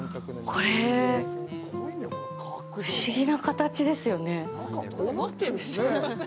これ、不思議な形ですよね。